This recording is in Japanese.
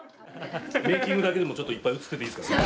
メイキングだけでもちょっといっぱい映ってていいですか？